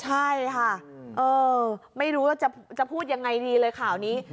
ใช่ค่ะไม่รู้ว่าจะพูดยังไงดีเลยข่าวนี้